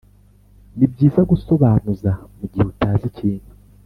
ni byiza gusobanuza mugihe utazi ikintu